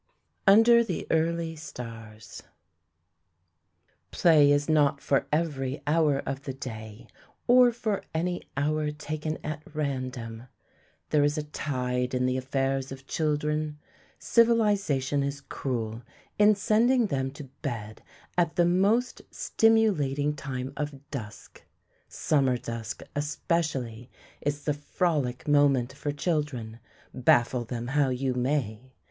UNDER THE EARLY STARS Play is not for every hour of the day, or for any hour taken at random. There is a tide in the affairs of children. Civilization is cruel in sending them to bed at the most stimulating time of dusk. Summer dusk, especially, is the frolic moment for children, baffle them how you may.